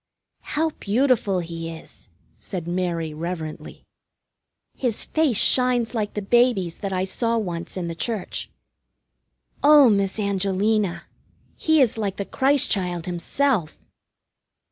"How beautiful he is!" said Mary reverently. "His face shines like the Baby's that I saw once in the Church. Oh, Miss Angelina! He is like the Christ Child himself!"